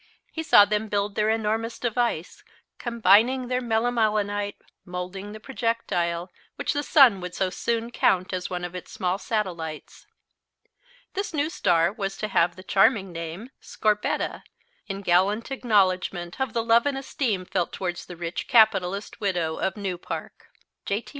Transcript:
He saw them build their enormous device, combining their melimelonite, moulding the projectile which the sun would so soon count as one of its small satellites. This new star was to have the charming name "Scorbetta," in gallant acknowledgment of the love and esteem felt towards the rich capitalist widow of New Park. J.T.